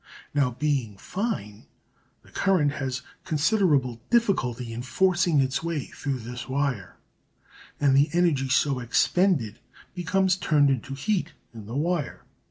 Now, being fine, the current has considerable difficulty in forcing its way through this wire and the energy so expended becomes turned into heat in the wire.